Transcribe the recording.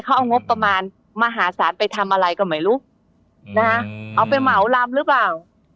เขาเอางบประมาณมหาศาลไปทำอะไรก็ไม่รู้นะฮะเอาไปเหมาลำหรือเปล่า